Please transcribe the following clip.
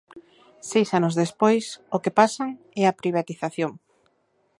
Seis anos despois o que pasan é á privatización.